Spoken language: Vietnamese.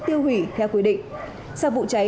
tiêu hủy theo quy định sau vụ cháy